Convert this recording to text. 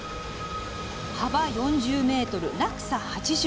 幅４０ｍ、落差８０ｍ。